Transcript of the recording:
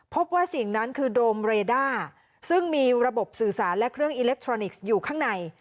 พบว่าสิ่งนั้นคือโดมเรด้าซึ่งมีระบบสื่อสารและเครื่องอิเล็กทรอนิกส์อยู่ข้างใน